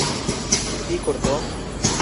কি করত?